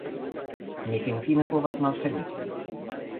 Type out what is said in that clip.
Mi finfine povas malfermi ĝin!